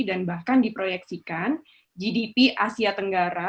dan bahkan diproyeksikan gdp asia tenggara